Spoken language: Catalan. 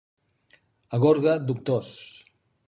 A Gorga, doctors.